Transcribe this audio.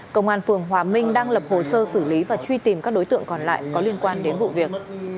công an phường hòa minh đang lập hồ sơ xử lý và truy tìm các đối tượng còn lại có liên quan đến vụ việc